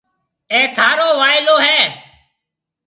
اي ٿارو وائيلو هيَ۔